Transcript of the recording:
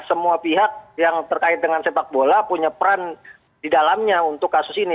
semua pihak yang terkait dengan sepak bola punya peran di dalamnya untuk kasus ini